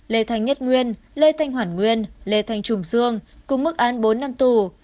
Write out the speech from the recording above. lê thành nhất nguyên lê thành hoản nguyên lê thành trùng dương cùng mức án bốn năm tù